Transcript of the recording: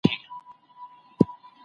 الله دې زموږ دعاګانې قبولې کړي.